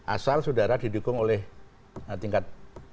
asal saudara didukung oleh tingkat